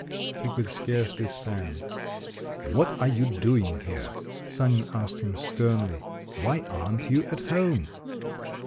He could scarcely stand. "What are you doing here?" Sanin asked him sternly. "Why aren't you at home?"